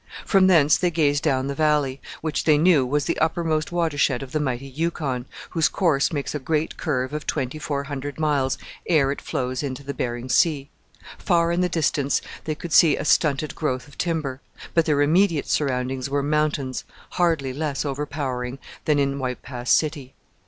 From thence they gazed down the valley, which they knew was the uppermost watershed of the mighty Yukon, whose course makes a great curve of twenty four hundred miles ere it flows into the Behring Sea. Far in the distance they could see a stunted growth of timber, but their immediate surroundings were mountains, hardly less overpowering than in White Pass City.